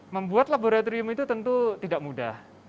membuat laboratorium itu tentu tidak mudah